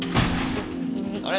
あれ？